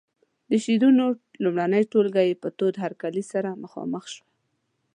د شعرونو لومړنۍ ټولګه یې په تود هرکلي سره مخامخ شوه.